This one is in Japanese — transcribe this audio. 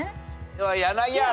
柳原。